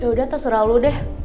yaudah terserah lu deh